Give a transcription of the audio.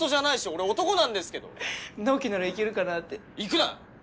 俺男なんですけど直己ならいけるかなっていくな！